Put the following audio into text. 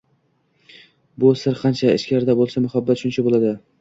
Bu sir qancha ichkarida bo‘lsa, muhabbat shuncha bo‘ladi